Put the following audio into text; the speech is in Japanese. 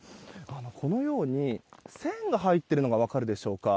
このように、線が入っているのが分かるでしょうか。